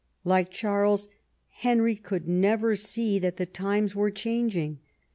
Like Charles, Henry could never see that the times were changing.